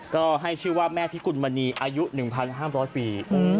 ก็ให้ชื่อว่าแม่พิกุลมณีอายุ๑๕๐๐ปี